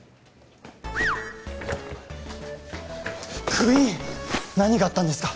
クイーン何があったんですか？